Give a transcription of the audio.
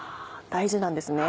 大事なんですね。